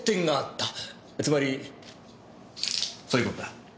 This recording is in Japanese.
つまりそういう事だ。